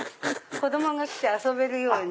子供が来て遊べるように。